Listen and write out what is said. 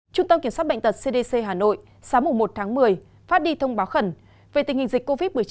trung tâm kiểm soát bệnh tật cdc hà nội sáng một tháng một mươi phát đi thông báo khẩn về tình hình dịch covid một mươi chín